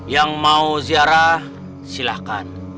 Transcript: yang mau ziarah silahkan